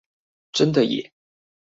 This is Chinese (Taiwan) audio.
真的耶！